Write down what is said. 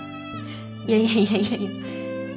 いやいやいや。